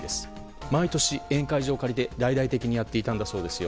毎年、宴会場を借りて大々的にやっていたんだそうですよ。